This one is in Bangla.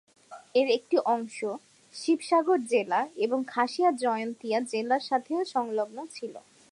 এর একটি অংশ শিবসাগর জেলা এবং খাসিয়া জয়ন্তীয়া জেলার সাথেও সংলগ্ন ছিল।